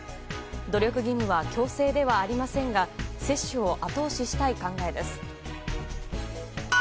努力義務は強制ではありませんが接種を後押ししたい考えです。